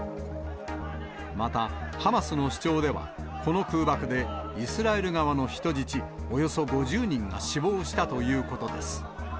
また、ハマスの主張では、この空爆で、イスラエル側の人質およそ５０人が死亡したということです。